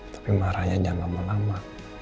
tapi marahnya jangan lama lama